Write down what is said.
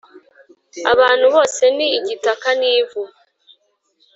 abantu, bose ni igitaka n’ivu